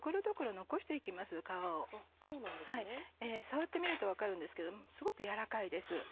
触ってみると分かるんですけどもすごく柔らかいです。